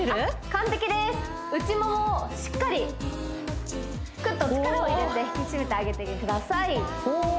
完璧です内モモをしっかりくっと力を入れて引き締めてあげてください